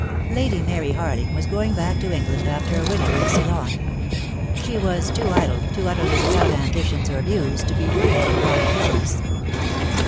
Lady Mary Harling was going back to Eng land, after a winter in Ceylon. She was too idle, too utterly without ambitions or views, to be free from chronic illness.